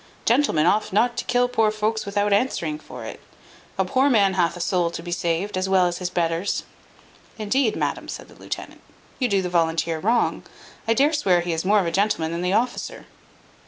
Gentlemen oft not to kill poor folks without answering for it. A poor man hath a soul to be saved, as well as his betters." "Indeed, madam," said the lieutenant, "you do the volunteer wrong: I dare swear he is more of a gentleman than the officer."